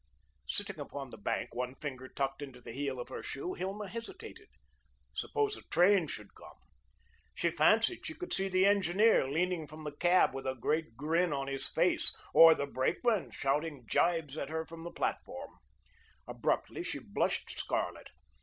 Sitting upon the bank, one finger tucked into the heel of her shoe, Hilma hesitated. Suppose a train should come! She fancied she could see the engineer leaning from the cab with a great grin on his face, or the brakeman shouting gibes at her from the platform. Abruptly she blushed scarlet.